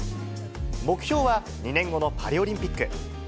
目標は２年後のパリオリンピック。